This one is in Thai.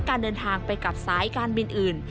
การเดินทางไปกับสายการบินอื่น